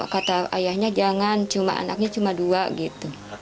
kata ayahnya jangan cuma anaknya cuma dua gitu